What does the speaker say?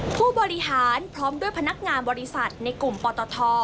ผู้บริหารพร้อมด้วยพนักงานบริษัทในกลุ่มปตท